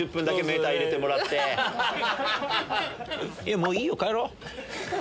もういいよ帰ろう。